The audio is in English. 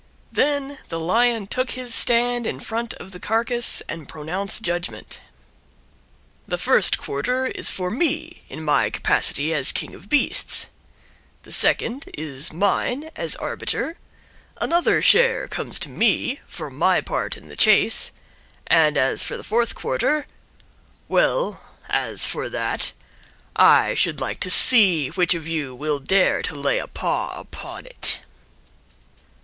Then the Lion took his stand in front of the carcass and pronounced judgment: "The first quarter is for me in my capacity as King of Beasts; the second is mine as arbiter; another share comes to me for my part in the chase; and as far the fourth quarter, well, as for that, I should like to see which of you will dare to lay a paw upon it."